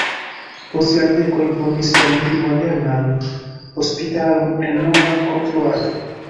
Post jardeko li fondis jam pli modernan hospitalon en nova konstruaĵo.